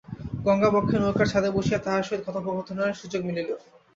গঙ্গাবক্ষে নৌকার ছাদে বসিয়া তাঁহার সহিত কথোপকথনের সুযোগ মিলিল।